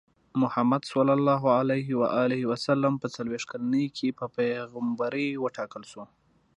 محمد ص په څلوېښت کلنۍ کې په پیغمبرۍ وټاکل شو.